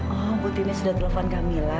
oh butini sudah telepon camilla